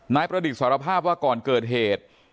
นายประดิษฐ์สารภาพว่าก่อนเกิดเหตุ